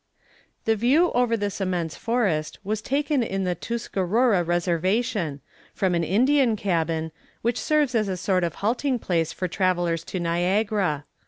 The view over this immense forest was taken in the Tuscarora reservation, from an Indian cabin, which serves as a sort of halting place for travellers to Niagara.